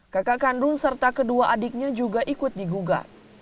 kakak kandung serta kedua adiknya juga ikut digugat